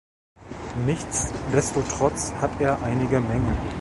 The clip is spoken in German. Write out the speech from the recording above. Nichtsdestotrotz hat er einige Mängel.